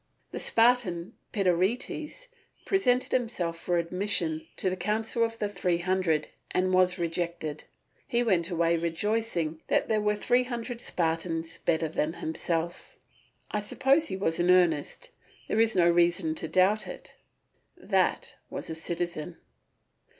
The Spartan Pedaretes presented himself for admission to the council of the Three Hundred and was rejected; he went away rejoicing that there were three hundred Spartans better than himself. I suppose he was in earnest; there is no reason to doubt it. That was a citizen.